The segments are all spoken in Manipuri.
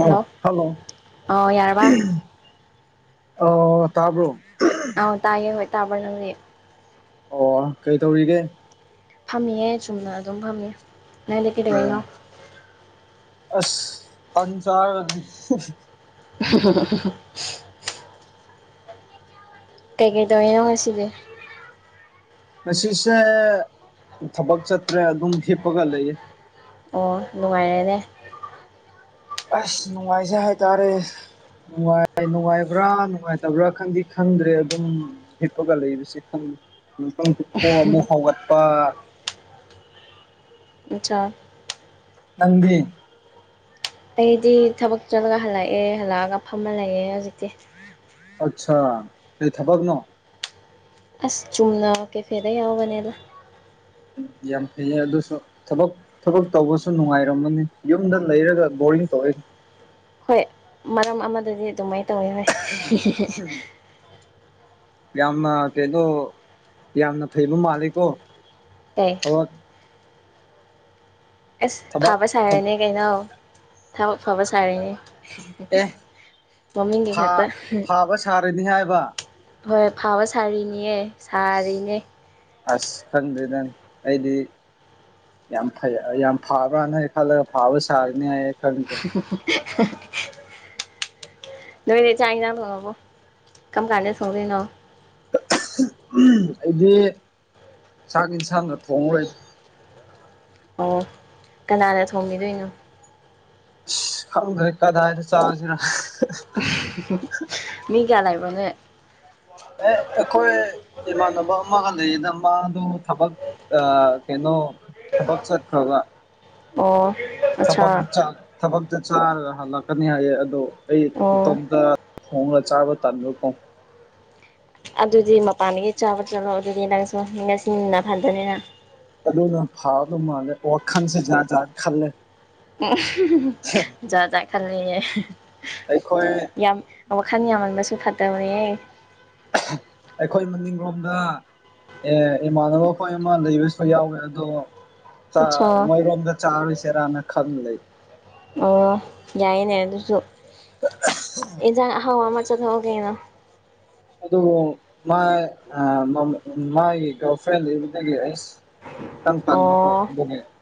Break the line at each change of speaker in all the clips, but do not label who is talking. ꯑ ꯍꯜꯂꯣ
ꯑꯧ ꯌꯥꯔꯕ
ꯑ ꯇꯥꯔꯕ꯭ꯔꯣ
ꯑꯧ ꯇꯥꯒꯦ ꯅꯣꯏ ꯇꯥꯕ꯭ꯔ ꯅꯪꯗꯤ
ꯑꯣ ꯀꯩ ꯇꯧꯔꯤꯒꯦ
ꯐꯝꯃꯤꯌꯦꯦ ꯆꯨꯝꯅ ꯑꯗꯨꯝ ꯐꯝꯃꯦ ꯅꯪꯗ ꯀꯩꯗꯅꯣ
ꯑꯣ ꯑꯁ ꯄꯟ ꯆꯥ
ꯍ ꯍ ꯍ ꯍ ꯍ ꯀꯩꯀꯩ ꯇꯧꯔꯤꯅꯣ ꯉꯁꯤꯗꯤ
ꯉꯁꯤꯁꯦ ꯊꯕꯛ ꯆꯠꯇ꯭ꯔꯦ ꯑꯗꯨꯝ ꯍꯤꯞꯄꯒ ꯂꯩꯌꯦ
ꯑꯣ ꯅꯨꯡꯉꯥꯏꯔꯦꯅꯦ
ꯑꯁ ꯅꯨꯡꯉꯥꯏꯖ ꯍꯥꯏꯦꯗꯣꯔ ꯅꯨꯡꯉ ꯅꯨꯡꯉꯥꯏꯕ꯭ꯔꯥ ꯅꯨꯡꯉꯥꯏꯇꯕ꯭ꯔꯥ ꯈꯪꯗꯤ ꯈꯪꯗ꯭ꯔꯦ ꯑꯗꯨꯝ ꯍꯞꯄꯒꯂꯏꯕꯕꯁꯤ ꯈꯪꯉ ꯊꯣꯔ ꯑꯃ ꯑꯃꯨꯛ ꯍꯥꯎꯒꯠꯄ
ꯎꯆꯥꯥ
ꯅꯗꯤ
ꯑꯩꯗꯤ ꯊꯕꯛ ꯆꯠꯂꯒ ꯍꯜꯂꯛꯑꯦ ꯍꯜꯂꯛꯑꯒ ꯐꯝꯃ ꯂꯩꯑꯦ ꯍꯧꯖꯤꯛꯇꯤ
ꯑꯠꯆꯥꯥ ꯀꯩ ꯊꯕꯛꯅꯣ
ꯑꯁ ꯆꯨꯝꯅ ꯀꯦꯐꯦꯗ ꯌꯥꯎꯕꯅꯦꯗ
ꯎꯝ ꯌꯥꯝ ꯐꯩꯌꯦ ꯑꯗꯨꯁꯨ ꯊꯕꯛ ꯊꯕꯛ ꯇꯧꯕꯁꯨ ꯅꯨꯡꯉꯥꯏꯔꯝꯕꯅꯤ ꯌꯨꯝꯗ ꯂꯩꯔꯒ ꯕꯣꯔꯤꯡ ꯇꯧꯑꯏ
ꯍꯣꯏ ꯃꯔꯝ ꯑꯃꯗꯗꯤ ꯑꯗꯨꯃꯥꯏꯅ ꯇꯧꯋꯤ ꯍꯣꯏ
ꯌꯥꯝꯅ ꯀꯩꯅꯣ ꯌꯥꯝꯅ ꯐꯩꯕ ꯃꯥꯂꯦꯀꯣ
ꯇ
ꯑ
ꯑꯁ
ꯊꯕꯛ
ꯐꯕ ꯁꯥꯔꯅꯤ ꯀꯩꯅꯣ ꯊꯕꯛ ꯐꯕ ꯁꯥꯔꯤꯅꯦ
ꯑꯦ
ꯃꯃꯤ ꯀ ꯈꯠꯇ
ꯐꯥ ꯐꯥꯕ ꯁꯥꯔꯅꯤ ꯍꯥꯏꯕ
ꯍꯣꯏ ꯐꯥꯕ ꯁꯥꯔꯤꯅꯤꯍ ꯁꯥꯔꯤꯅꯦ
ꯑꯁ ꯈꯪꯗꯦꯗꯅꯤ ꯑꯩꯗꯤ ꯌꯥꯝ ꯐꯩ ꯌꯥꯝ ꯐꯥꯕ꯭ꯔꯅ ꯈꯜꯂꯒ ꯐꯥꯕ ꯁꯥꯔꯅꯤ ꯍꯥꯏꯌꯦ ꯈꯜꯂꯤꯂꯗꯦ
ꯅꯃꯤꯗꯤ ꯆꯥꯉꯖ ꯊꯣꯡꯉꯕꯣ ꯀꯝ ꯀꯥꯟꯗꯦ ꯁꯣꯡꯗꯅꯣ
ꯎ ꯑꯩꯗꯤ ꯆꯥꯛ ꯌꯦꯟꯁꯥꯡꯒ ꯊꯣꯡꯉꯔꯣꯏꯗ
ꯑꯣ ꯀꯅꯥꯅ ꯊꯣꯝꯕꯤꯗꯣꯏꯅꯣ
ꯍꯗ ꯀꯗ ꯍꯥꯏꯗ ꯆꯥꯁꯤꯔ
ꯃꯤ ꯀ꯭ꯌꯥ ꯂꯩꯥꯏꯕ꯭ꯔꯣꯅꯦ
ꯑꯦ ꯑꯩꯈꯣꯏ ꯏꯃꯥꯟꯅꯕ ꯑꯃꯒ ꯂꯩꯌꯦꯅ ꯃꯥꯗꯣ ꯊꯕꯛ ꯑ ꯀꯩꯅꯩꯅꯣ ꯊꯕꯛ ꯆꯠ꯭ꯔꯒ
ꯑꯣ
ꯊ
ꯑꯠꯆꯥ
ꯊꯕꯛꯇ ꯆꯥꯔꯒ ꯍꯜꯂꯛꯀꯅꯤ ꯍꯥꯏꯌꯦ ꯑꯗꯣ ꯑꯩ
ꯑꯣ
ꯏꯇꯣꯝꯇ ꯈꯣꯡꯅ ꯆꯥꯕ ꯇꯜꯨꯀꯣ
ꯑꯗꯨꯗꯤ ꯃꯄꯥꯟꯗꯒꯤ ꯆꯥꯕ ꯆꯠꯂꯣ ꯑꯗꯨꯗꯤ ꯅꯪꯁꯨ ꯉꯁꯤꯅ ꯐꯗꯅꯤꯅ
ꯑꯗꯨꯅ ꯐꯥꯗ ꯃꯥꯜꯂꯦ ꯋꯥꯈꯟꯁꯦꯥꯖꯥꯠ ꯈꯜꯂꯦ
ꯎ ꯌꯥꯖ ꯈ
ꯑꯩꯈꯣꯏ
ꯌꯥꯝ ꯋꯥꯈꯜ ꯌꯥꯝꯃꯟꯕꯁꯨ ꯐꯠꯇꯕꯅꯦꯍ
ꯑꯩꯈꯣꯏ ꯃꯅꯤꯡꯂꯣꯝꯗ ꯑꯦ ꯏꯃꯥꯟꯅꯕ ꯈꯣꯏ ꯑꯃ ꯂꯩꯕꯁꯨ ꯌꯥꯎꯋꯦ ꯑꯗꯣ ꯆ
ꯑꯠꯆꯥ
ꯃꯣꯏꯔꯣꯝꯗ ꯆꯔꯨꯁꯤꯔꯅ ꯈꯟ ꯂꯩ
ꯑꯣ ꯌꯥꯏꯅꯦ ꯑꯗꯨꯁꯨ ꯑꯦꯟꯁꯥꯡ ꯑꯍꯥꯎ ꯑꯃ ꯆꯠꯊꯣꯛꯑꯣ ꯀꯩꯅꯣ
ꯑꯗꯨꯕꯨ ꯃꯥꯒꯤ ꯒꯥꯔꯜ ꯐ꯭ꯔꯦꯟ ꯏꯕꯗꯒꯤ ꯑꯩꯁ ꯈꯤꯇꯪ ꯇꯟꯕꯀꯣ
ꯑꯣ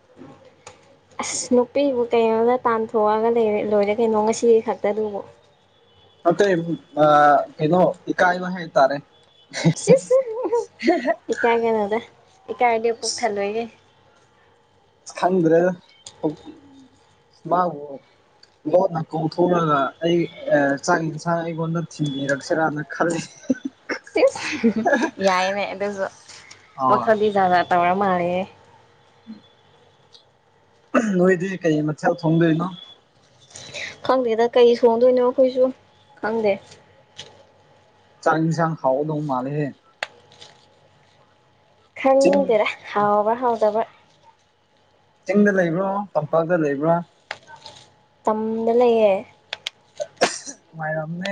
[inaudible]
ꯑꯁ ꯅꯨꯄꯤꯕꯨ ꯀꯩꯅꯣꯗ ꯇꯥꯟꯊꯣꯛꯑꯒ ꯂꯣꯏꯔꯦ ꯀꯩꯅꯣ ꯉꯁꯤ ꯈꯛꯇꯗꯨꯕꯨ
ꯅꯠꯇꯦ ꯑꯥ ꯀꯩꯅꯣ ꯏꯀꯥꯏꯕ ꯍꯥꯢ ꯇꯥꯔꯦ
ꯏꯀꯥꯏꯒꯦ ꯅꯗ ꯏꯀꯥꯏ ꯍꯥꯏꯗꯤ ꯄꯣꯛ ꯊꯜꯣꯏꯒꯦ
ꯈꯪ꯭ꯔꯦꯃꯕꯨ ꯂꯣꯟꯅ ꯀꯧꯊꯣꯛꯂꯒ ꯑꯩ ꯆꯥꯛ ꯌꯦꯟꯁꯥꯡ ꯑꯩꯉꯣꯟꯗ ꯊꯤꯟꯕꯤꯔꯛꯁꯤꯔꯥꯅ ꯈꯜꯂꯤ [inaudible]
ꯌꯥꯏꯅꯦ ꯑꯗꯨꯁꯨ
ꯑ
ꯃꯈꯜꯗꯤ ꯖꯥꯔꯥ ꯇꯧꯔ ꯃꯥꯂꯌꯦ
ꯎꯝ ꯅꯣꯏꯗꯤ ꯀꯩ ꯃꯊꯦꯜ ꯊꯣꯡꯗꯣꯏꯅꯣ
ꯈꯪꯗꯦꯗ ꯀꯩ ꯊꯣꯡꯗꯣꯏꯅꯣ ꯑꯩꯈꯣꯏꯁꯨ ꯈꯪꯗꯦ
ꯆꯥꯛ ꯏꯟꯁꯥꯡ ꯍꯥꯎꯒꯗꯧ ꯃꯥꯂꯦꯍꯦ ꯆꯤꯡ
ꯈꯪꯗꯦꯗ ꯍꯥꯎꯕ꯭ꯔ ꯍꯥꯎꯗꯕ
ꯆꯤꯡꯗ ꯂꯩꯕ꯭ꯔꯣ ꯇꯝꯄꯥꯛꯇ ꯂꯩꯕ꯭ꯔꯥ
ꯇꯝꯗ ꯂꯩꯌꯦ
ꯃꯌꯥꯝꯅꯦ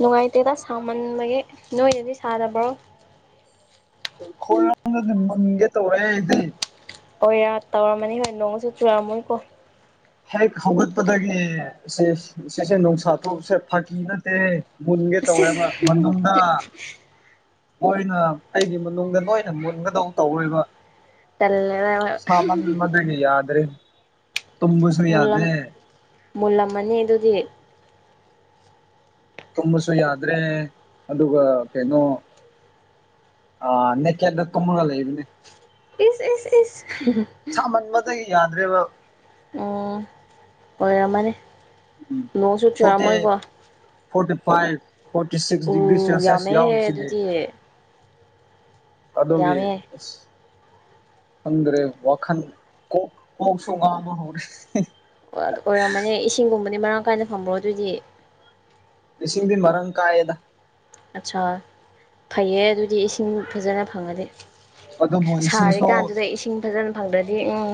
ꯅꯨꯡꯉꯥꯏꯇꯦꯗ ꯁꯥꯃꯟꯕꯒꯤ ꯅꯣꯏꯅꯗꯤ ꯁꯥꯗꯕ꯭ꯔꯣ
ꯈꯣꯏ ꯂꯒꯒ ꯃꯟꯒꯦ ꯇꯧꯔꯦꯗꯤ
ꯑꯣꯔ ꯇꯧꯔꯝꯃꯅꯤ ꯍꯣꯏ ꯅꯣꯡꯁꯨ ꯆꯨꯔꯝꯃꯣꯏꯀꯣ
ꯍꯦꯛ ꯍꯧꯒꯠꯄꯗꯒꯤ ꯏꯦ ꯏꯁꯦ ꯅꯨꯡꯁꯥ ꯊꯣꯛꯁꯦ ꯐꯥꯀꯤ ꯅꯠꯇꯦ ꯃꯤꯟꯒꯦ ꯇꯧꯋꯦꯕ ꯃꯅꯨꯡꯗ ꯂꯣꯏꯅ ꯑꯩꯒꯤ ꯃꯅꯨꯡꯗ ꯂꯣꯏꯅ ꯃꯨꯟꯒꯗꯧ ꯇꯧꯔꯦꯕ
ꯇꯜꯂꯦꯗ
ꯁꯃꯥꯟꯕꯗꯒꯤ ꯌꯥꯗ꯭ꯔꯦ ꯇꯝꯕꯁꯨ
ꯃꯨꯜꯂꯝ
ꯌꯥꯗꯦ
ꯃꯨꯜꯂꯝꯃꯅꯤ ꯑꯗꯨꯗꯤ
ꯇꯨꯝꯕꯁꯨ ꯌꯥꯗ꯭ꯔꯦ ꯑꯗꯨꯒ ꯀꯩꯅꯣ ꯑ ꯅꯦꯛꯀꯦꯠꯇ ꯇꯨꯝꯝꯒ ꯂꯩꯕꯅꯦ
ꯏꯁ ꯏꯁ ꯏꯁ
ꯁꯥꯃꯟꯕꯗꯒꯤ ꯌꯥꯗ꯭ꯔꯦꯕ
ꯎꯝ ꯑꯣꯏꯔꯝꯃꯅꯤ ꯅꯣꯡꯁꯨ
ꯐꯣꯔꯇꯤ
ꯆꯨꯔꯝꯃꯣꯏꯀꯣ
ꯐꯣꯔꯇꯤ ꯐꯥꯏꯚ ꯐꯣꯔꯇꯤ ꯁꯤꯛꯁ
ꯎ
ꯗꯤꯒ꯭ꯔꯤ ꯁꯦꯜꯁꯤꯌꯥꯁ
ꯌꯥꯝꯃꯦꯍꯦ
ꯌꯥꯎꯔꯤ ꯁꯤꯗꯤ
ꯑꯗꯨꯗꯤ
ꯑꯗꯨꯒꯤ
ꯌꯥꯝꯃꯦ
ꯑꯁ ꯈꯡꯗ꯭ꯔꯦ ꯋꯥꯈꯟ ꯀ ꯀꯣꯛ ꯀꯣꯛꯁꯨ ꯉꯥꯑꯣꯕ ꯍꯧꯔꯦ
ꯑꯣꯏꯔꯝꯃꯅꯦ ꯏꯁꯤꯡꯒꯨꯝꯕꯗꯤ ꯃꯔꯥꯡ ꯀꯥꯏꯅ ꯐꯪꯕ꯭ꯔꯣ ꯑꯗꯨꯑꯣꯏꯗꯤ
ꯏꯁꯤꯡꯗꯤ ꯃꯔꯥꯡ ꯀꯥꯏꯌꯦꯗ
ꯑꯠꯁꯥ ꯐꯩꯌꯦ ꯑꯗꯨꯗꯤ ꯏꯁꯤꯡ ꯐꯖꯅ ꯐꯪꯉꯗꯤ
ꯑꯗꯨꯕꯨ
ꯁꯥꯔꯤ
ꯏꯁꯤꯡꯁꯨ
ꯀꯥꯟꯗꯨꯗ ꯏꯁꯤꯡ ꯐꯖꯅ ꯐꯪꯗ꯭ꯔꯗꯤ ꯎꯝ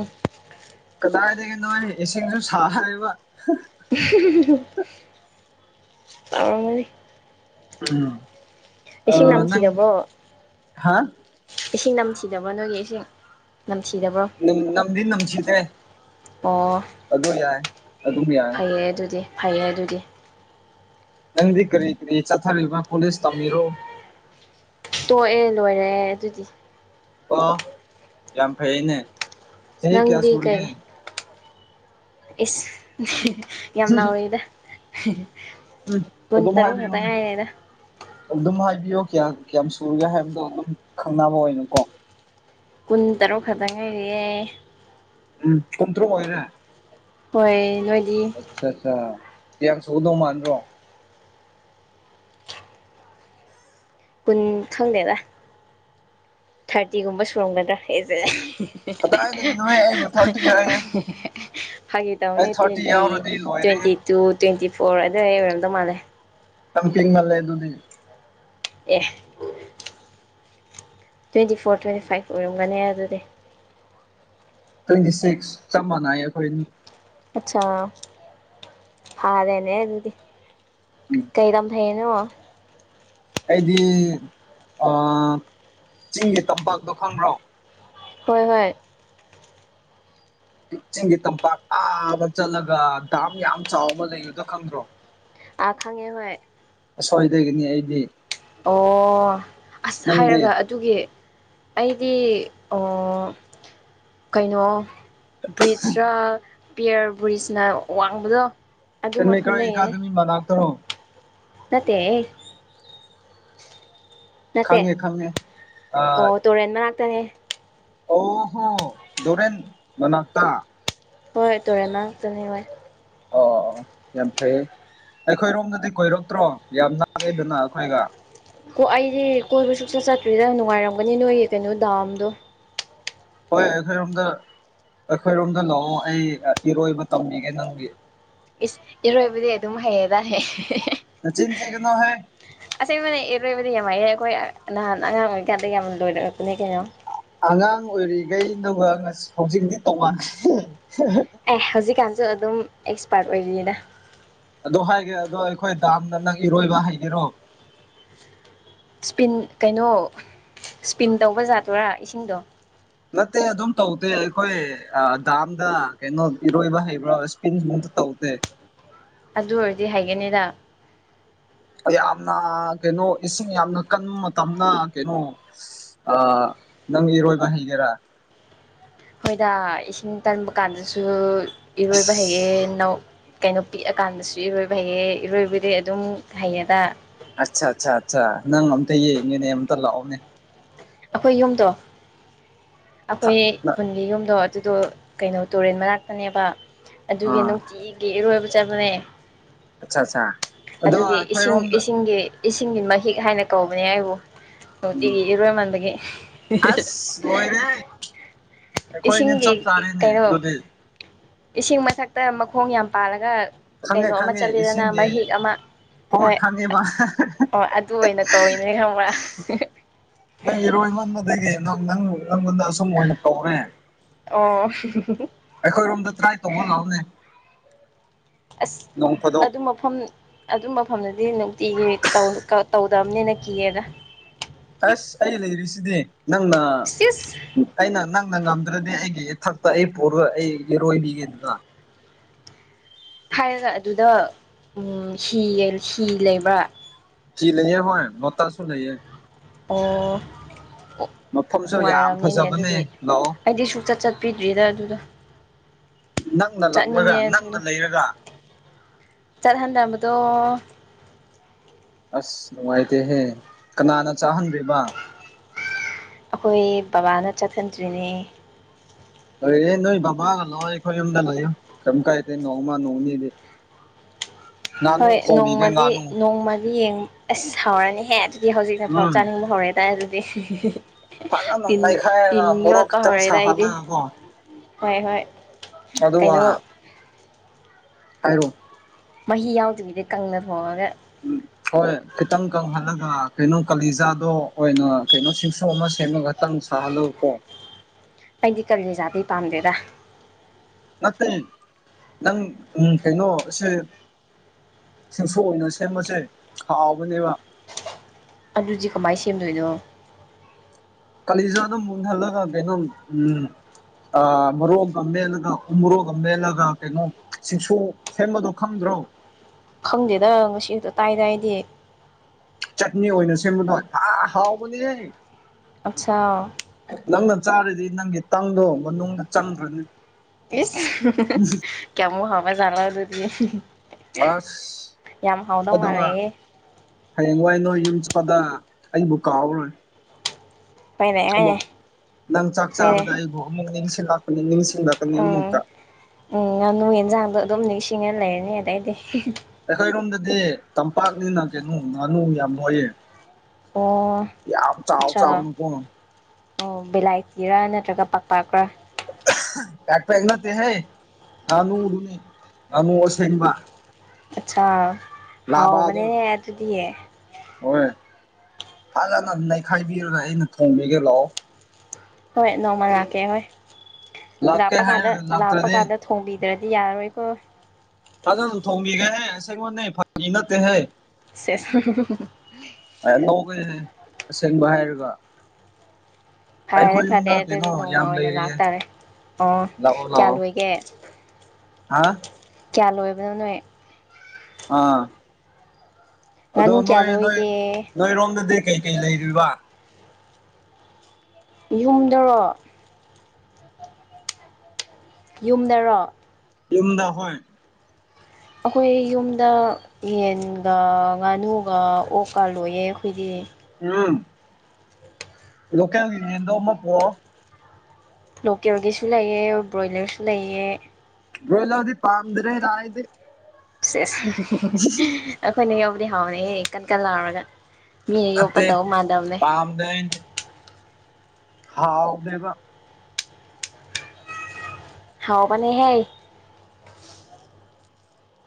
ꯀꯗꯥꯏꯗꯒꯤꯅꯣꯍꯦ ꯏꯁꯤꯡꯁꯨ ꯁꯥꯔꯤꯕ
ꯇꯧꯔꯝꯒꯅꯤ
ꯎꯝ
ꯏꯁꯤꯡ
ꯑ ꯅꯪ
ꯅꯝꯊꯔꯕꯣ
ꯍꯥ
ꯏꯁꯤꯡ ꯅꯝꯊꯤꯔꯕꯣ ꯅꯣꯏꯒꯤ ꯏꯁꯤꯡ ꯅꯝ ꯊꯤꯗꯔꯕ꯭ꯔꯣ
ꯅꯝꯗꯤ ꯅꯝꯁꯤꯗ꯭ꯔꯦ
ꯑꯣ
ꯑꯗꯨꯗꯣ ꯌꯥꯏ ꯑꯗꯨꯝ ꯌꯥꯏ
ꯐꯩꯌꯦ ꯑꯗꯨꯗꯤ ꯐꯩꯌꯦ ꯑꯗꯨꯗꯤ
ꯅꯪꯗꯤ ꯀꯔꯤ ꯀꯔꯤ ꯆꯠꯊꯔꯤꯕ ꯀꯣꯂꯦꯖ ꯇꯝꯕꯤꯔꯣ
ꯇꯣꯛꯑꯦ ꯂꯣꯏꯔꯦ ꯑꯗꯨꯗꯤ
ꯑ ꯌꯥꯝ ꯐꯩꯅꯦ ꯆꯍꯤ ꯀꯌꯥ
ꯅꯪꯗꯤ ꯀꯩ
ꯁꯨꯔꯒꯦ
ꯏꯁ ꯌꯥꯝ ꯅꯥꯔꯦꯗ
ꯎꯝ
ꯀꯨꯟ
ꯑꯗꯨꯝ
ꯇꯔꯨꯛ ꯈꯛꯇ
ꯍꯥꯏꯕꯤꯌꯨꯅꯦ
ꯉꯥꯏꯉꯗ
ꯑꯗꯨꯝ ꯍꯥꯏꯕꯤꯌꯨ ꯀꯌꯥ ꯀꯌꯥꯝ ꯁꯨꯔꯒꯦ ꯍꯥꯏꯕꯗꯣ ꯑꯗꯨꯝ ꯈꯪꯅꯕ ꯑꯣꯏꯅꯅꯣꯀꯣ
ꯀꯨꯟ ꯇꯔꯨꯛ ꯈꯛꯇꯪ ꯉꯔꯤꯑꯦ
ꯎꯝ ꯀꯨꯟꯇ꯭ꯔꯣ ꯑꯣꯏꯅ
ꯍꯣꯏ ꯅꯣꯏꯗꯤ
ꯑꯆꯥ ꯑꯆꯥ ꯑꯥꯡꯁꯨꯒꯗꯣꯡꯃꯅ ꯔꯣ
ꯀꯨꯟ ꯈꯪꯗꯦꯗ ꯊꯥꯔꯇꯤꯒꯨꯝꯕ ꯁꯨꯔꯝꯒꯗ꯭ꯔꯥ ꯑꯦꯖ
ꯀꯗꯥꯏꯗꯒꯤꯅꯣꯍꯦ ꯑꯩꯕꯨ ꯊꯥꯔꯇꯤ ꯍꯥꯏꯌꯦ
[unintelligible] ꯐꯥꯒꯤꯦ ꯇꯧꯅꯦ
ꯑꯩ ꯊꯥꯔꯇꯤ
ꯇ꯭ꯋꯦꯟꯇꯤ
ꯌꯥꯎꯔꯗꯤ ꯂꯣꯏꯔꯦꯍꯦ
ꯇ꯭ꯋꯦꯟꯇꯤ ꯇꯨ ꯇ꯭ꯋꯦꯟꯇꯤ ꯐꯣꯔ ꯑꯗꯨ ꯑꯩ ꯑꯣꯏꯔꯝꯗꯧ ꯃꯥꯜꯂꯦ
ꯁꯝꯀꯤꯡ ꯃꯜꯦ ꯑꯗꯨꯗꯨꯗꯤ
ꯑꯦ ꯇ꯭ꯋꯦꯟꯇꯤ ꯐꯣꯔ ꯇ꯭ꯋꯦꯟꯇꯤ ꯐꯥꯏꯚ ꯑꯣꯏꯔꯝꯒꯅꯦ ꯑꯗꯨꯗꯤ
ꯇ꯭ꯋꯦꯟꯇꯤ ꯁꯤꯛꯁ ꯆꯞ ꯃꯥꯟꯅꯩ ꯑꯩꯈꯣꯏꯅꯤ
ꯑꯆꯥꯥ ꯐꯥꯔꯦꯅꯦ ꯑꯗꯨꯗꯤ
ꯎꯝ
ꯀꯩ ꯂꯝ ꯐꯩꯅꯣ
ꯑꯩꯗꯤ ꯆꯤꯡꯒꯤ ꯇꯝꯄꯥꯛꯇꯣ ꯈꯪꯕ꯭ꯔꯣ
ꯍꯣꯏ ꯍꯣꯏ
ꯆꯤꯡꯒꯤ ꯇꯝꯄꯥꯛ ꯑꯥꯗ ꯆꯠꯂꯒ ꯗꯥꯝ ꯌꯥꯝ ꯆꯥꯎꯕ ꯂꯩꯌꯨꯗ ꯈꯪꯗ꯭ꯔꯣ
ꯑꯥ ꯈꯪꯉꯦ ꯍꯣꯏ
ꯑꯁ꯭ꯋꯥꯏꯗꯒꯤꯅꯤ ꯑꯩꯗꯤ
ꯑꯣ ꯑꯁ
ꯅꯪꯗꯤ
ꯍꯥꯏꯔꯒ ꯑꯗꯨꯒꯤ ꯑꯩꯗꯤ ꯀꯩꯅꯣ ꯕ꯭ꯔꯤꯖꯔ ꯄꯤꯌꯔ ꯕ꯭ꯔꯤꯖꯅ ꯋꯥꯡꯕꯗꯣ ꯑꯗꯨ
ꯃꯤ ꯏꯈ
ꯃꯐꯝꯗꯒꯤꯅꯦ
ꯑꯦꯀꯥꯗꯃꯤ ꯃꯅꯥꯧꯣ
ꯅꯠꯇꯦ ꯅꯠꯇꯦ
ꯈꯪꯉꯦ ꯈꯪꯉꯦ ꯑ
ꯑꯣ ꯇꯨꯔꯦꯟ ꯃꯅꯥꯛꯇꯅꯦ
ꯑꯣ ꯍꯣ ꯗꯣꯔꯦꯟ ꯃꯅꯥ
ꯍꯣꯏ ꯇꯨꯔꯦꯟ ꯉꯥꯛꯇꯅꯤ ꯍꯣꯏ
ꯑꯣ ꯑꯣ ꯌꯥꯝ ꯐꯩ ꯑꯩꯈꯣꯏꯔꯣꯝꯗꯗꯤ ꯀꯣꯏꯔꯛꯇ꯭ꯔꯣ ꯌꯥꯝ ꯉꯥꯡꯉꯦꯗꯅ ꯑꯩꯈꯣꯏꯒ
ꯀꯣ ꯑꯩꯗꯤ ꯀꯣꯏꯕ ꯁꯨꯆꯠ ꯆꯠꯇ꯭ꯔꯤꯗ ꯅꯨꯡꯉꯥꯏꯔꯝꯒꯅꯤ ꯅꯣꯏꯒꯤ ꯀꯩꯅꯣ ꯗꯥꯝꯗꯣ
ꯍꯣꯏ ꯑꯩꯈꯣꯏꯔꯣꯝꯗ ꯑꯩꯈꯣꯏꯔꯣꯝꯗ ꯂꯥꯛꯑꯣ ꯑꯩ ꯏꯔꯣꯏꯕ ꯇꯝꯃꯤꯒꯦ ꯅꯪꯒꯤ
ꯏꯁ ꯏꯔꯣꯏꯕꯗꯤ ꯑꯗꯨꯝ ꯍꯩꯌꯦꯗꯥ ꯍ
ꯁꯆꯤꯟ ꯆꯅꯣꯍꯦ
ꯑꯁꯦꯡꯕꯅꯦ ꯏꯔꯣꯏꯕꯗꯤ ꯌꯥꯝ ꯃꯥꯏꯑꯦ ꯑꯩꯈꯣꯏ ꯅꯍꯥꯟ ꯑꯉꯥꯡ ꯑꯣꯏꯔꯤꯀꯥꯟꯗ ꯌꯥꯝ ꯂꯣꯏꯅꯔꯛꯄꯅꯦ ꯀꯩꯅꯣ
ꯑꯉꯥꯡ ꯑꯣꯏꯔꯤꯈꯩ ꯑꯗꯨꯒ ꯍꯧꯖꯤꯛꯗꯤ ꯇꯣꯉꯥꯟꯅ
ꯑꯦ ꯍꯧꯖꯤꯛꯀꯥꯟꯁꯨ ꯑꯗꯨꯝ ꯑꯦꯛꯁꯄꯥꯔꯠ ꯑꯣꯏꯔꯤꯅ
ꯑꯗꯣ ꯍꯥꯏꯒꯦ ꯑꯗꯣ ꯑꯩꯈꯣꯏ ꯗꯥꯝꯅ ꯅꯪ ꯏꯔꯣꯏꯕ ꯍꯥꯏꯒꯦꯔꯣ
ꯁꯄꯤꯟ ꯀꯩꯅꯣ ꯁ꯭ꯄꯤꯟ ꯇꯧꯕ ꯌꯥꯥꯗꯣꯏꯣꯔꯥ ꯏꯁꯤꯡꯗꯣ
ꯅꯠꯇꯦ ꯑꯗꯨꯝ ꯇꯧꯗꯦ ꯑꯩꯈꯣꯏ ꯗꯥꯝꯗ ꯀꯩꯅꯣ ꯏꯔꯣꯏꯕ ꯍꯩꯕ꯭ꯔꯥ ꯏꯁꯄꯤꯟꯁ ꯃꯨꯇ ꯇꯧꯗꯦ
ꯑꯗꯨ ꯑꯣꯏꯔꯗꯤ ꯍꯥꯏꯒꯅꯤꯗ
ꯌꯥꯝꯅ ꯀꯩꯅꯣ ꯏꯁꯤꯡ ꯌꯥꯝꯅ ꯀꯟꯕ ꯃꯇꯝꯗ ꯀꯩꯅꯣ ꯑ ꯅꯪ ꯏꯔꯣꯏꯕ ꯍꯩꯒꯦꯔꯥ
ꯑꯩꯈꯣꯏꯗ ꯏꯁꯤꯡ ꯇꯟꯕ ꯀꯥꯟꯗꯁꯨ ꯏꯔꯣꯏꯕ ꯍꯩꯌꯦ ꯅꯧ ꯀꯩꯅꯣ ꯄꯤꯛꯑꯀꯥꯟꯗꯁꯨ ꯏꯔꯣꯏꯕ ꯍꯩꯌꯦ ꯏꯔꯣꯏꯕꯗꯤ ꯑꯗꯨꯝ ꯍꯩꯌꯦꯗ
ꯑꯠꯆꯥ ꯑꯠꯆꯥ ꯑꯠꯆꯥ ꯅꯪ ꯑꯝꯇ ꯌꯦꯡꯉꯦꯅꯦ ꯑꯃꯝꯇ ꯂꯥꯛꯑꯣꯅꯦ
ꯑꯩꯈꯣꯏ ꯌꯨꯝꯗꯣ ꯑꯩꯈꯣꯏ ꯈꯨꯟꯒꯤ ꯌꯨꯝꯗꯣ ꯑꯗꯨꯗꯣ ꯀꯩꯅꯣ ꯇꯨꯔꯦꯟ ꯃꯅꯥꯛꯇꯅꯦꯕ ꯑꯗꯨꯒꯤ
ꯑꯥ
ꯅꯨꯡꯇꯤꯒꯤ ꯏꯔꯣꯏꯕ ꯆꯠꯕꯅꯦ
ꯑꯠꯆꯥ ꯑꯠꯆꯥ ꯑꯗꯣ
ꯑꯗꯨꯒꯤ ꯏꯁꯤꯡ
ꯑꯩꯈꯣꯏꯔꯣꯝꯗ
ꯏꯁꯤꯡꯒꯤ ꯏꯁꯤꯡꯒꯤ ꯃꯍꯤꯛ ꯍꯥꯏꯅ ꯀꯧꯕꯅꯦ ꯑꯩꯕꯨ
ꯎꯝ
ꯅꯨꯡꯇꯤꯒꯤ ꯏꯔꯣꯏꯃꯟꯕꯒꯤ
ꯑꯁ ꯂꯥꯏꯔꯦꯍ
ꯏꯁꯤꯡꯒꯤ ꯀꯩꯅꯣ
ꯆꯥꯔꯦꯅꯦ ꯑꯗꯨꯗꯤ
ꯏꯁꯤꯡ ꯃꯊꯛꯇ ꯃꯈꯣꯡ ꯌꯥꯝ ꯄꯥꯜꯂꯒ
ꯈꯪꯉꯦ
ꯀꯩꯅꯣ ꯑꯃ
ꯈꯪꯉꯦ
ꯆꯠꯂꯤꯦꯗꯅ
ꯏꯁꯤꯡꯒꯤ
ꯃꯍꯤꯛ ꯑꯃ ꯍꯣꯏ ꯑꯣ ꯇꯅ ꯀꯧꯏꯅꯦ ꯈꯪꯕ꯭ꯔꯥ
ꯅꯪ ꯏꯔꯣꯏꯕꯕꯗꯒꯤ ꯅꯪ ꯅꯪ ꯅꯪꯉꯣꯟꯗ ꯑꯁꯨꯝ ꯑꯣꯏꯅ ꯀꯧꯔꯦ
ꯑꯣ
ꯑꯩꯈꯣꯏꯔꯣꯝꯗ ꯇ꯭ꯔꯥꯏ ꯇꯧꯕ ꯂꯥꯛꯑꯝꯅꯦ
ꯑꯁ
ꯐꯥꯗꯣꯛ
ꯑꯗꯨ ꯃ ꯃꯐꯝ ꯑꯗꯨ ꯃꯐꯝꯗꯨꯗꯤ ꯅꯨꯡꯇꯤ ꯇꯧꯗꯕꯅꯤꯅ ꯀꯤꯌꯦꯅ
ꯑꯁ ꯑꯩ ꯂꯩꯔꯤꯁꯤꯗꯤ ꯅꯪꯅ
ꯁꯤꯁ
ꯑꯩꯅ ꯅꯪꯅ ꯉꯝꯗ꯭ꯔꯗꯤ ꯑꯩꯒꯤ ꯏꯊꯛꯇ ꯑꯩ ꯄꯨꯔꯒ ꯑꯩ ꯏꯔꯣꯏꯕꯤꯒꯦꯗꯨꯅ
ꯍꯥꯏꯔꯒ ꯑꯗꯨꯗ ꯍꯤ ꯍꯤ ꯂꯩꯕ꯭ꯔꯥ
ꯆꯤ ꯂꯩꯦ ꯍꯣꯏ ꯅꯠꯇꯔꯁꯨꯨ ꯂꯩꯌꯦ
ꯑꯣ ꯑꯣ
ꯃꯐꯝꯁꯨ ꯌꯥꯝ
ꯅꯨꯡꯉꯥꯏꯔꯝꯅꯤꯅꯦ
ꯐꯖꯕꯅꯦ
ꯑꯗꯨꯗꯤ
ꯂꯥꯛꯑꯣ
ꯑꯩꯗꯤ ꯁꯨꯛꯆꯠ ꯆꯠ ꯄꯤꯗ꯭ꯔꯤꯗ ꯑꯗꯨꯗ
ꯅꯪꯅ ꯂꯛꯂꯒ ꯅꯪꯅ ꯂꯩꯔꯒ
ꯆꯔ ꯍꯥꯟꯗꯕꯗ
ꯑꯁ ꯅꯨꯡꯉꯥꯏꯇꯦꯍꯦ ꯀꯅꯥꯅ ꯆꯥꯍꯟꯗ꯭ꯔꯤꯕ
ꯑꯩꯈꯣꯏ ꯕꯕꯥꯅ ꯆꯠꯊꯗ꯭ꯔꯤꯅꯦ
ꯂꯩ ꯅꯣꯏ ꯕꯕꯥꯒ ꯂꯥꯛꯑꯣ ꯑꯩꯈꯣꯏ ꯌꯨꯝꯗ ꯂꯩꯥꯛꯌꯨ ꯀꯔꯤꯝ ꯀꯥꯏꯗꯦ ꯅꯣꯡꯃ ꯅꯣꯡꯅꯤꯗꯤ [inaudible]
ꯍꯣꯏ
ꯊꯣꯡꯕꯤꯒꯦ
ꯅꯣꯡꯃꯗꯤ
ꯉꯥꯅꯨ
ꯅꯣꯡꯃꯗꯤ ꯌꯦꯡ ꯑꯁ ꯁꯥꯎꯔꯅꯤꯍꯦ ꯑꯗꯨ ꯍꯧꯖꯤꯛꯅꯐꯥꯎ
ꯎꯝ
ꯆꯥꯅꯤꯡꯕ ꯍꯧꯔꯛꯦꯇꯥꯔꯦ ꯑꯗꯨꯗꯤ
ꯐꯖꯅ
ꯇꯤꯟ
ꯅꯩꯈꯥꯏꯔꯒ
ꯇꯤꯟ
ꯃꯣꯔꯣꯛ
ꯌꯣꯠꯄ
ꯈꯤꯇꯪ
ꯍꯧꯔꯦꯗ ꯑꯩꯗꯤ
ꯁꯥꯍꯜꯂꯒꯀꯣ
ꯍꯣꯏ ꯍꯣꯏ
ꯆꯗꯨ
ꯀꯩꯅꯣ
ꯋꯥꯅ ꯍꯥꯏꯔꯣ
ꯃꯍꯤ ꯌꯥꯎꯗ꯭ꯔꯤꯉꯗ ꯀꯪꯅ ꯊꯣꯡꯉꯒ
ꯎꯝ ꯍꯣꯏ ꯈꯤꯇꯪ ꯀꯪꯍꯜꯂꯒ ꯀꯩꯅꯣ ꯀꯥꯂꯤꯖꯥꯗꯣ ꯑꯣꯏꯅ ꯀꯩꯅꯣ ꯁꯤꯡꯁ ꯑꯃ ꯁꯦꯝꯃꯒ ꯈꯤꯇꯪ ꯁꯥꯍꯜꯂꯨꯀꯣ
ꯑꯩꯗꯤ ꯀꯔꯤꯅꯖꯥꯗ ꯄꯥꯝꯗꯦꯗ
ꯅꯠꯇꯇꯩ ꯅꯪ ꯎꯝ ꯀꯩꯅꯣ ꯁꯤꯡꯐꯣꯛ ꯑꯣꯏꯅ ꯁꯦꯝꯕꯁꯦ ꯍꯥꯎꯕꯅꯦꯕ
ꯑꯗꯨꯗꯤ ꯀꯃꯥꯏ ꯁꯦꯝꯗꯣꯏꯅꯣ?
ꯀꯂꯤꯖꯥꯗꯨ ꯃꯨꯟꯍꯜꯂꯒ ꯀꯩꯅꯣ ꯎꯝ ꯑꯥ ꯃꯔꯣꯛꯒ ꯃꯦꯠꯂꯒ ꯎ ꯃꯣꯔꯣꯛꯒ ꯃꯦꯜꯂꯒ ꯀꯩꯅꯣ ꯁꯤꯁꯨ ꯁꯦꯝꯕꯗꯣ ꯈꯪꯗ꯭ꯔꯣ?
ꯈꯪꯗꯦꯗ ꯉꯁꯤꯈꯇ ꯇꯥꯏ ꯑꯩꯗꯤ꯫
ꯆꯠꯅꯤ ꯑꯣꯏꯅ ꯁꯦꯝꯕꯗꯣ ꯊ ꯍꯥꯎꯕꯅꯤꯍꯦ!
ꯑꯠꯆꯥꯥ
ꯅꯪꯅ ꯆꯥꯔꯤꯗꯤ ꯅꯪꯒꯤ ꯇꯪꯗꯣ ꯃꯅꯨꯡꯗ ꯆꯪꯈ꯭ꯔꯅꯤ꯫
ꯏꯁ [unintelligible] ꯀꯌꯥꯃꯨꯛ ꯍꯥꯎꯕ ꯖꯥꯠꯂ ꯑꯗꯨꯗꯤ?
ꯑꯁ
ꯌꯥꯝ ꯍꯥꯎꯗꯧ
ꯑꯗꯨꯒ
ꯃꯥꯜꯂꯦꯍꯦ
ꯍꯌꯦꯡ ꯋꯥꯏ ꯅꯣꯏ ꯌꯨꯝ ꯆꯠꯄꯗ ꯑꯩꯕꯨ ꯀꯥꯎꯔꯣꯏ꯫
ꯍꯣꯏꯅꯦ
ꯑꯃꯨꯛ
ꯍꯣꯏꯅꯦ
ꯅꯪ ꯆꯥꯛ
ꯍꯣꯏꯅꯦ
ꯆꯥꯕꯗ ꯑꯩꯕꯨ ꯑꯃꯨꯛ ꯅꯤꯡꯁꯤꯡꯂꯛꯄꯅꯤ ꯅꯤꯡꯁꯤꯡꯂꯛ
ꯎꯝ ꯎꯝ ꯉꯥꯅꯨ ꯌꯦꯟꯖꯥꯡꯗꯣ ꯑꯗꯨꯝ ꯅꯤꯡꯁꯤꯡꯉ ꯂꯩꯔꯅꯤ ꯑꯗꯩꯗꯤ꯫
ꯑꯩꯈꯣꯏꯔꯣꯝꯗꯗꯤ ꯇꯝꯄꯥꯛꯅꯤꯅ ꯀꯩꯅꯣ ꯉꯥꯅꯨ ꯌꯥꯝ ꯂꯣꯏꯌꯦ꯫
ꯑꯣ
ꯌꯥꯝ ꯆꯥꯎꯕ
ꯑꯠꯆꯥ
ꯆꯥꯒꯅꯨꯀꯣ ꯫
ꯑꯣ ꯕꯦꯂꯥꯏꯇꯤꯔꯥ ꯅꯠꯇ꯭ꯔꯒ ꯄꯥꯛꯄꯥꯛꯔꯥ?
ꯗꯥꯛꯇꯔ ꯅꯠꯇꯦꯍꯦ ꯉꯥꯅꯨ ꯗꯨꯅꯤ ꯉꯥꯅꯨ ꯑꯁꯦꯡꯕ꯫
ꯑꯠꯆꯥꯥ
ꯂꯥꯕꯗꯣ
ꯍꯥꯎꯕꯅꯦ ꯑꯗꯨꯗꯤ꯫
ꯍꯣꯏ ꯐꯖꯅ ꯅꯩꯈꯥꯏꯕꯤꯔꯒ ꯑꯩꯅ ꯊꯣꯡꯕꯤꯒꯦ ꯂꯥꯛꯑꯣ꯫
ꯍꯣꯏ ꯅꯣꯡꯃ ꯂꯥꯛꯀꯦ ꯍꯣꯏ
ꯂꯥꯛꯀꯦ
ꯂꯥꯞꯄ ꯀꯥꯟꯗ
ꯍꯥꯏꯔꯒ
ꯂꯥꯞꯄ
ꯂꯥꯛꯇ꯭ꯔꯗꯤ
ꯀꯥꯟꯗ ꯊꯣꯡꯕꯤꯗ꯭ꯔꯗꯤ ꯌꯥꯔꯔꯣꯏꯀꯣ
ꯐꯖꯅ ꯊꯣꯡꯕꯤꯒꯦꯍꯦ ꯑꯁꯦꯡꯕꯅꯤ ꯐꯥꯒꯤ ꯅꯠꯇꯦꯍꯦ꯫
ꯁꯦꯖ [unintelligible]
ꯑꯦ ꯅꯤꯛꯑꯦꯍꯦ ꯑꯁꯦꯡꯕ ꯍꯥꯏꯔꯒ
ꯐꯔꯦ
ꯑꯩꯈꯣꯏ
ꯐꯔꯦ
ꯌꯨꯝꯗ ꯀꯩꯅꯣ
ꯑꯗꯨꯗꯤ ꯅꯣꯡꯃ
ꯌꯥꯝ
ꯑꯣꯏꯅ
ꯂꯩꯔꯤꯌꯦ
ꯂꯥꯛꯇꯥꯔꯦ꯫ ꯑꯣ
ꯂꯥꯛꯑꯣ
ꯀ꯭ꯌꯥ
ꯂꯥꯛꯑꯣ
ꯂꯣꯏꯒꯦ?
ꯍꯥ
ꯀꯌꯥ ꯂꯣꯏꯕꯅꯣ ꯅꯣꯏ?
ꯑꯥ ꯑꯗꯣ
ꯉꯥꯅꯨ ꯀꯌꯥ
ꯅꯣꯏ ꯅꯣꯏ
ꯂꯣꯏꯒꯦ
ꯅꯣꯏꯔꯣꯝꯗꯗꯤ ꯀꯩꯀꯩ ꯂꯩꯔꯤꯕ?
ꯌꯨꯝꯗꯔꯣ? ꯌꯨꯝꯗꯔꯣ?
ꯌꯨꯝꯗ ꯍꯣꯏ
ꯑꯈꯣꯏ ꯌꯨꯝꯗ ꯌꯦꯟꯒ ꯉꯥꯅꯨꯒ ꯑꯣꯛꯀ ꯂꯣꯏꯌꯦ ꯑꯩꯈꯣꯏꯗꯤ꯫
ꯎꯝ ꯂꯣꯀꯦꯜꯒꯤ ꯌꯦꯟꯗꯣ ꯑꯃꯥ ꯄꯣꯔꯣ꯫
ꯂꯣꯀꯦꯜꯒꯤꯁꯨ ꯂꯩꯑꯦ ꯕ꯭ꯔꯣꯏꯂꯔꯁꯨ ꯂꯩꯑꯦ ꯫
ꯕ꯭ꯔꯣꯏꯂꯔꯗꯤ ꯄꯥꯝꯗ꯭ꯔꯦꯗ ꯑꯩꯗꯤ꯫
ꯁꯦꯖ ꯑꯩꯈꯣꯏꯅ ꯌꯧꯕꯗꯤ ꯍꯥꯎꯅꯤꯍꯦ ꯀꯟ - ꯀꯟ ꯂꯥꯎꯔꯒ꯫ ꯃꯤꯅ ꯌꯣꯛꯄ
ꯅꯠꯇꯦ
ꯇꯧ ꯃꯥꯟꯗꯕꯅꯦ
ꯄꯥꯝꯗꯦ꯫ ꯊꯥꯎꯅꯦꯕ
ꯍꯥꯎꯕꯅꯤꯍꯦ